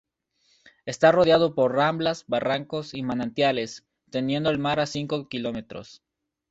Está rodeado por ramblas, barrancos y manantiales, teniendo el mar a cinco km.